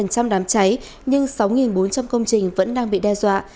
gần đám cháy nhưng sáu bốn trăm linh công trình vẫn đang bị đe dọa